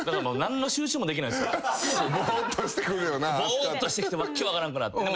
ぼーっとしてきて訳分からんくなって。